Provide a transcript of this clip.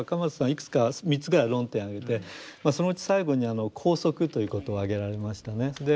いくつか３つぐらい論点挙げてそのうち最後に拘束ということを挙げられましたね。